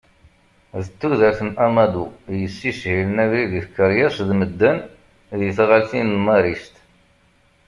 D tudert n Amadou yessishilen abrid i tkeṛyas d medden di tɣaltin n Maristes.